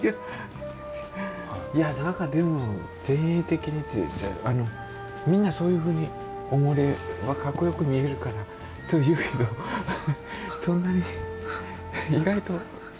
いや何かでも前衛的にってみんなそういうふうに思えばかっこよく見えるからそう言うけどそんなに意外と。